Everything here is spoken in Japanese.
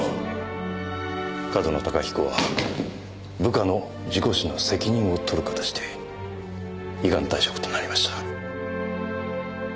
上遠野隆彦は部下の事故死の責任を取る形で依願退職となりました。